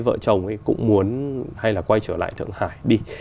vợ chồng ấy cũng muốn hay là quay trở lại thượng hải đi